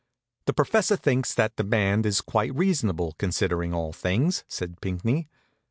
"The professor thinks that demand is quite reasonable, considering all things," says Pinckney.